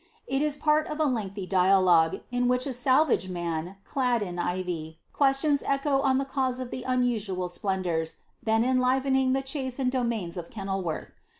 It is part of a lengthy dialogue, in which a salvage man, clad in ivy, questions Echo on the cause of the unusual splendoars then enlivening the chase and domains of Kenilworth.